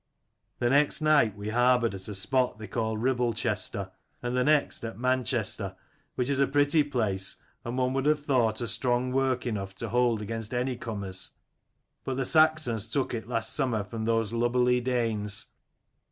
"The next night we harboured at a spot they called Ribblechester, and the next at Man chester, which is a pretty place, and one would have thought a strong work enough to hold against any comers: but the Saxons took it last summer from those lubberly Danes.